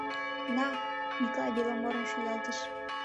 — На, — Миклай «Беломорым» шуялтыш.